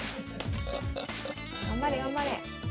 頑張れ頑張れ。